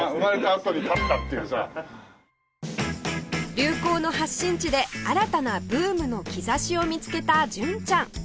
流行の発信地で新たなブームの兆しを見つけた純ちゃん